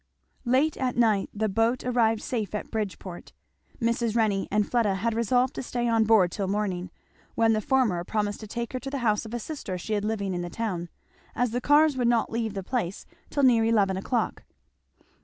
Late at night the boat arrived safe at Bridgeport. Mrs. Renney and Fleda had resolved to stay on board till morning, when the former promised to take her to the house of a sister she had living in the town; as the cars would not leave the place till near eleven o'clock.